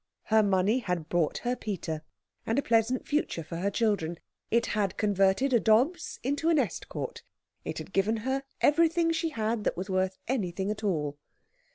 Her money had bought her Peter, and a pleasant future for her children; it had converted a Dobbs into an Estcourt; it had given her everything she had that was worth anything at all.